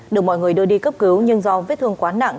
được mọi người đưa đi cấp cứu nhưng do vết thương quá nặng